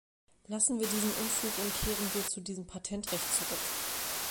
Lassen wir diesen Unfug und kehren wir zu diesem Patentrecht zurück.